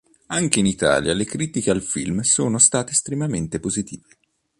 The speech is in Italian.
Anche in Italia le critiche al film sono state estremamente positive.